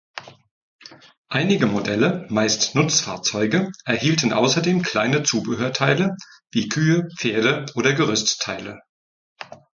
Einige Modelle, meist Nutzfahrzeuge, erhielten außerdem kleine Zubehörteile wie Kühe, Pferde oder Gerüst-Teile.